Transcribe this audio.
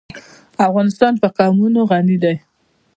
افغانستان په قومونه غني دی.